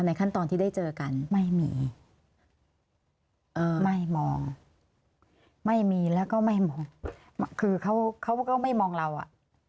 ขั้นตอนที่ได้เจอกันไม่มีเออไม่มองไม่มีแล้วก็ไม่มองคือเขาเขาก็ไม่มองเราอ่ะ